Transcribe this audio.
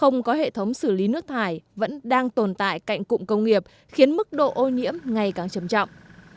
hệ thống xử lý nước thải vẫn đang tồn tại cạnh cụm công nghiệp khiến mức độ ô nhiễm ngày càng trầm trọng